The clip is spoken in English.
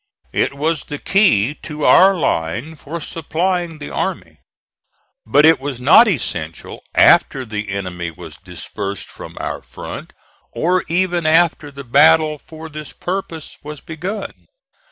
It was the key to our line for supplying the army. But it was not essential after the enemy was dispersed from our front, or even after the battle for this purpose was begun.